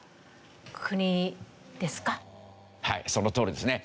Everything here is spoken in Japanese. はいそのとおりですね。